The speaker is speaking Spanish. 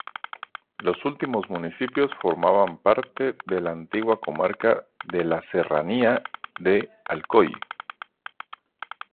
Los últimos municipios formaban parte de la antigua comarca de la Serranía de Alcoy.